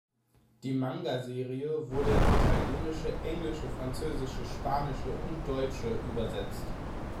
Die Manga-Serie wurde ins Italienische, Englische, Französische, Spanische und Deutsche übersetzt.